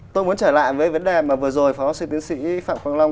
tôi muốn trở lại với vấn đề mà vừa rồi phó sư tiến sĩ phạm quang long